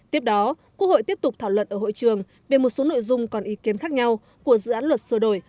tiếp đó quốc hội tiếp tục thảo luận ở hội trường về một số nội dung còn ý kiến khác nhau của dự án luật sửa đổi